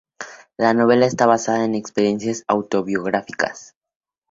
La novela está basada en experiencias autobiográficas.